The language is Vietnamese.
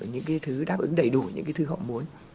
những cái thứ đáp ứng đầy đủ những cái thứ họ muốn